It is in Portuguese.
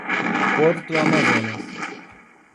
Porto Amazonas